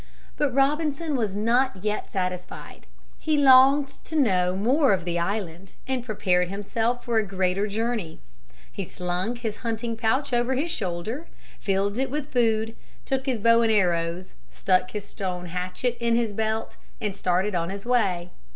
But Robinson was not yet satisfied. He longed to know more of the island and prepared himself for a greater journey. He slung his hunting pouch over his shoulder, filled it full of food, took his bow and arrows, stuck his stone hatchet in his belt and started on his way.